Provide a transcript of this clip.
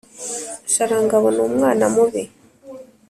Sharangabo ni umwana mubi